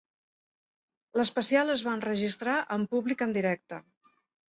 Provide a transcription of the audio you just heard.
L'especial es va enregistrar amb públic en directe.